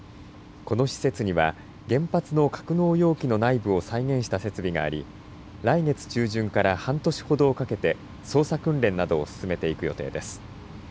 この施設には原発の格納容器の内部を再現した設備があり来月中旬から半年ほどをかけて操作訓練などを進めていく予定です。